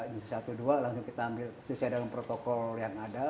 kita sudah satu dua langsung kita selesai dengan protokol yang ada